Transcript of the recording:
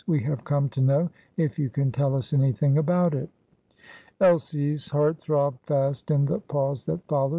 "We have come to know if you can tell us anything about it?" Elsie's heart throbbed fast in the pause that followed.